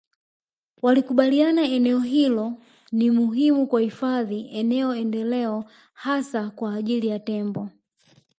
walikubaliana eneo hilo ni muhimu kwa uhifadhi eneo endeleo hasa kwa ajili ya tembo